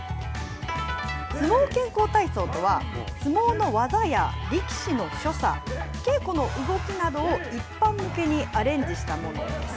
相撲健康体操とは、相撲の技や力士の所作、稽古の動きなどを一般向けアレンジしたものです。